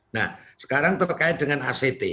nah sekarang terkait dengan act